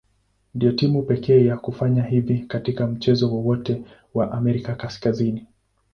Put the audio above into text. Ndio timu pekee ya kufanya hivi katika mchezo wowote wa Amerika Kaskazini.